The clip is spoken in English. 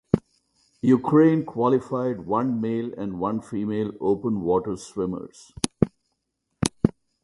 Ukraine qualified one male and one female open water swimmers.